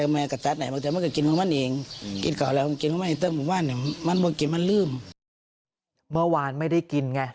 เมื่อวานไม่ได้กินไง